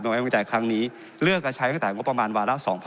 ไว้วิจัยครั้งนี้เลือกจะใช้ตั้งแต่งบประมาณวาระ๒๐๐